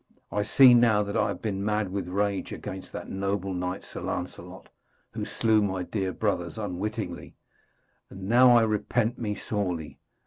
I see now that I have been mad with rage against that noble knight, Sir Lancelot, who slew my dear brothers unwittingly. And now I repent me sorely.